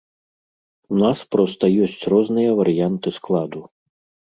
У нас проста ёсць розныя варыянты складу.